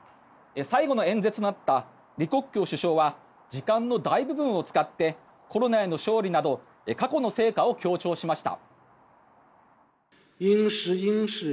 最後の演説なった李克強首相は時間の大部分を使ってコロナへの勝利など過去の成果を強調しました。